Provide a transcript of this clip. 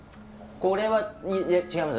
これはいえ違います。